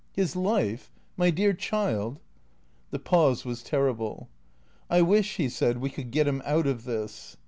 " His life ? My dear child " The pause was terrible. " I wish/' he said, " we could get him out of this."